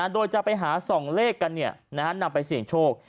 โดยจะไปหาส่องเลขกันนำไปเสี่ยงโชค